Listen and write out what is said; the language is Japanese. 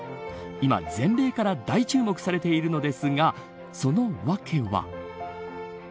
今、全米から大注目されているのですがその訳は。